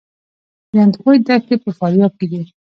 د اندخوی دښتې په فاریاب کې دي